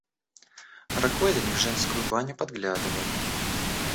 Рагозин в женскую баню подглядывал.